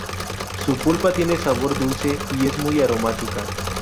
Su pulpa tiene sabor dulce y es muy aromática.